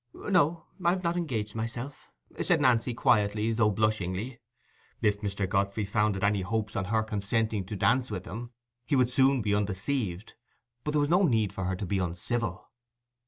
"No, I've not engaged myself," said Nancy, quietly, though blushingly. (If Mr. Godfrey founded any hopes on her consenting to dance with him, he would soon be undeceived; but there was no need for her to be uncivil.)